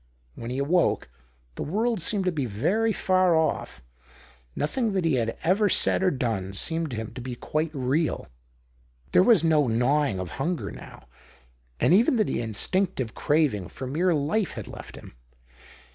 When he awoke, the world seemed to be very far off ; nothing that he had ever said or done seemed to him to be quite real. There was no gnawing of hunger now, and even the instinctive craving for mere life had left him.